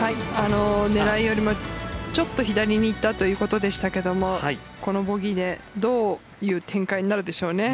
狙いよりもちょっと左に行ったということでしたがこのボギーでどういう展開になるでしょうね。